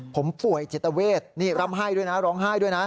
ผมป่วยจิตเวทนี่ร่ำไห้ด้วยนะร้องไห้ด้วยนะ